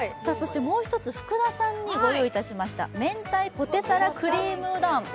もう１つ、福田さんにご用意しました、明太ポテサラクリームうどん。